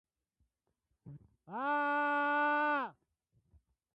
Its members are the banks, not their employees.